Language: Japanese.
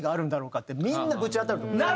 ってみんなぶち当たると思うんです。